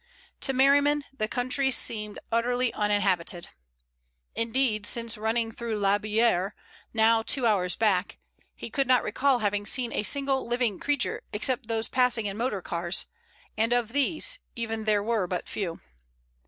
To Merriman the country seemed utterly uninhabited. Indeed, since running through Labouheyre, now two hours back, he could not recall having seen a single living creature except those passing in motor cars, and of these even there were but few.